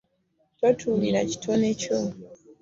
Totuulira kitone kyo.